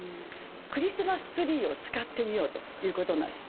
「クリスマスツリー」を使ってみようということなんです。